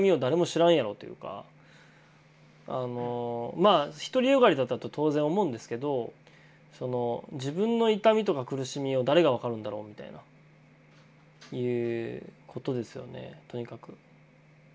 まあ独りよがりだったと当然思うんですけど自分の痛みとか苦しみを誰が分かるんだろうみたいないうことですよねとにかく。